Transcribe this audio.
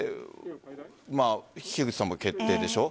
樋口さんも決定でしょう。